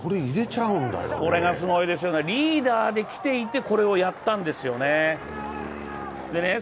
これがすごいですよね、リーダーで来ていて、これをやったんですよね。